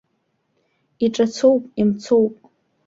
Иҿацоуп, имцоуп.